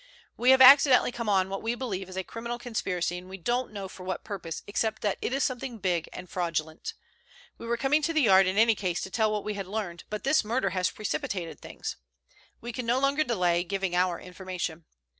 We have accidentally come on what we believe is a criminal conspiracy, we don't know for what purpose, except that it is something big and fraudulent. We were coming to the Yard in any case to tell what we had learned, but this murder has precipitated things. We can no longer delay giving our information.